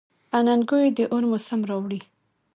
اننګو یې د اور موسم راوړی.